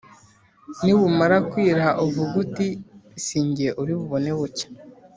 nibumara kwira uvuge uti ‘si jye uri bubone bucya!,’